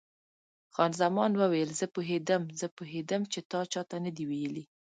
خان زمان وویل: زه پوهېدم، زه پوهېدم چې تا چا ته نه دي ویلي.